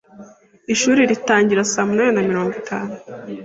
Ishuri ritangira saa munani na mirongo itatu.